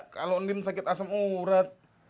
kalau nim sakit asem urat